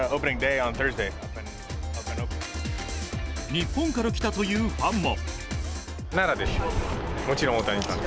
日本から来たというファンも。